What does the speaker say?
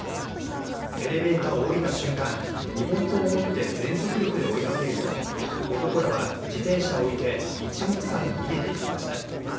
エレベーターを降りた瞬間、日本刀を持って全速力で追いかけると、男らは自転車を置いていちもくさんに逃げていきました。